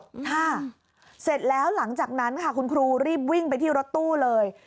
ค่ะเสร็จแล้วหลังจากนั้นค่ะคุณครูรีบวิ่งไปที่รถตู้เลย